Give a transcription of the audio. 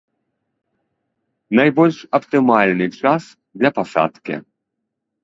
Найбольш аптымальны час для пасадкі.